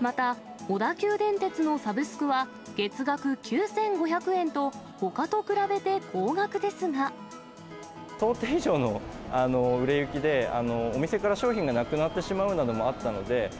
また、小田急電鉄のサブスクは、月額９５００円と、想定以上の売れ行きで、お店から商品がなくなってしまうなどもあったので。